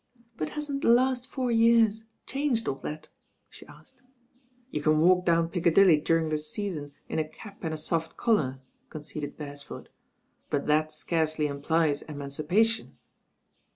"But hasn't the last four years changed all that?" she asked. "You can walk down Piccadilly during the Sea son in a cap and a soft collar," conceded Beresford, "but that scarcely implies emancipation."